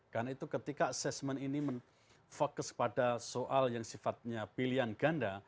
karena itu ketika assessment ini fokus pada soal yang sifatnya pilihan ganda